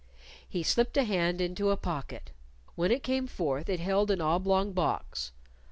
He slipped a hand into a pocket. When it came forth, it held an oblong box.